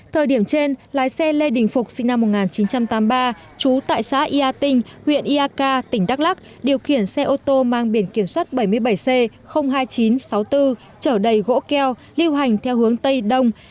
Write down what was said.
thời điểm trên lái xe lê đình phục sinh năm một nghìn chín trăm tám mươi ba trú tại xã yà tinh huyện iak tỉnh đắk lắc điều khiển xe ô tô mang biển kiểm soát bảy mươi bảy c hai nghìn chín trăm sáu mươi bốn trở đầy gỗ keo lưu hành theo hướng tây đông